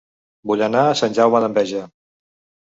Vull anar a Sant Jaume d'Enveja